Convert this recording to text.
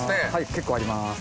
結構入ります。